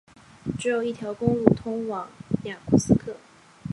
只有一条公路通往雅库茨克。